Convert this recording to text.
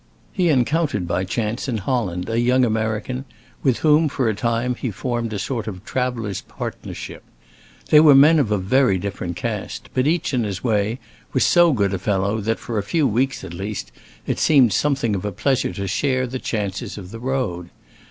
He encountered by chance in Holland a young American, with whom, for a time, he formed a sort of traveler's partnership. They were men of a very different cast, but each, in his way, was so good a fellow that, for a few weeks at least, it seemed something of a pleasure to share the chances of the road.